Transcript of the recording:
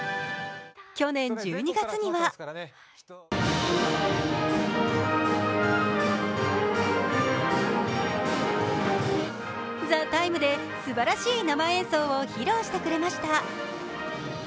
去年１２月には「ＴＨＥＴＩＭＥ，」ですばらしい生演奏を披露してくれました。